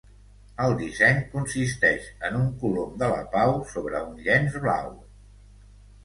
El disseny consisteix en un colom de la pau sobre un llenç blau.